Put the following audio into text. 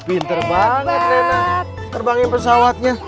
pinter banget nenek terbangin pesawatnya